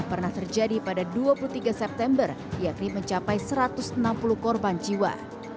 pernah terjadi pada dua puluh tiga september yakni mencapai satu ratus enam puluh korban jiwa